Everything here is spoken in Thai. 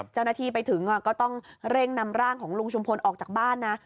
เจ้าหน้าที่ไปถึงก็ต้องเร่งนำร่างของลุงชุมพลออกจากบ้านนะ